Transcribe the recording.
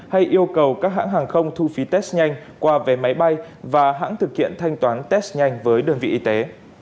hay yêu cầu các hãng hàng không thu phí test nhanh qua vé máy bay và hãng thực hiện thanh toán test nhanh với đơn vị y tế